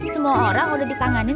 semua orang udah dipanganin